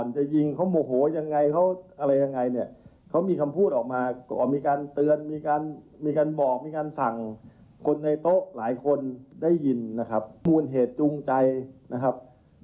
จนในโต๊ะหลายคนได้ยินนะครับมูลเหตุจริงใจนะครับ